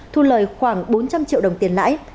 thu lời khoảng bốn trăm linh triệu đồng tiền lãi